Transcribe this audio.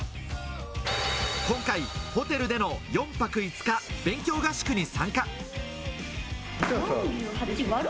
今回ホテルでの４泊５日、勉強合宿に参加。